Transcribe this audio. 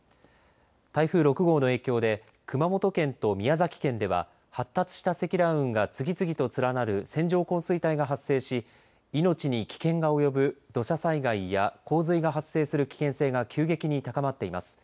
台風６号の影響で熊本県と宮崎県では発達した積乱雲が次々と連なる線状降水帯が発生し命に危険が及ぶ土砂災害や洪水が発生する危険性が急激に高まっています。